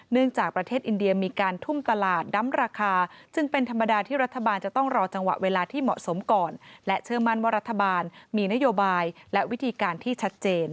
จากประเทศอินเดียมีการทุ่มตลาดดำราคาจึงเป็นธรรมดาที่รัฐบาลจะต้องรอจังหวะเวลาที่เหมาะสมก่อนและเชื่อมั่นว่ารัฐบาลมีนโยบายและวิธีการที่ชัดเจน